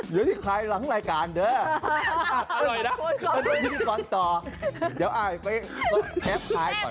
เดี๋ยวที่คลายหลังรายการเด้ออร่อยนะตอนนี้ก่อนต่อเดี๋ยวอายไปแพลปคลายก่อน